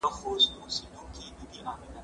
پاچاهان یې هم خوري غوښي د خپلوانو